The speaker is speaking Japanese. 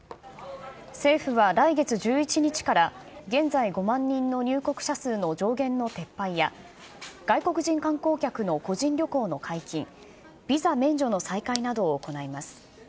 政府は来月１１日から現在５万人の入国者数の上限の撤廃や、外国人観光客の個人旅行の解禁、ビザ免除の再開などを行います。